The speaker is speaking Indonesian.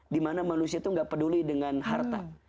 dimana manusia itu tidak peduli dengan harta